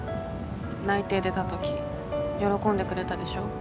内定出た時喜んでくれたでしょ。